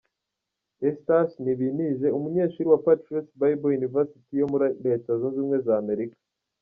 Eustache Nibintije, Umunyeshuri wa Patriots Bible University yo muri Leta Zunze Ubumwe za Amerika.